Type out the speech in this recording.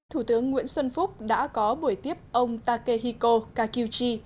thủ tướng nguyễn xuân phúc đã có buổi tiếp ông takehiko kakuchi